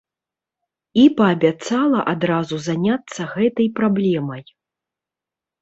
І паабяцала адразу заняцца гэтай праблемай.